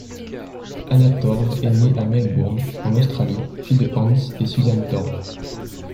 Anna Torv est née à Melbourne, en Australie, fille de Hans et Susan Torv.